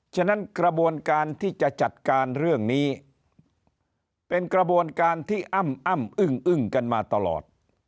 ฉะนั้นกระบวนการที่จะจัดการเรื่องนี้เป็นกระบวนการที่อ้ำอ้ำอึ้งอึ้งกันมาตลอด